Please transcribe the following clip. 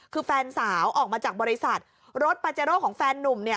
คือแฟนสาวออกมาจากบริษัทรถปาเจโร่ของแฟนนุ่ม